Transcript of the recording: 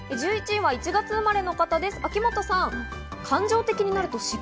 １１位は１月生まれの方です、秋元さん。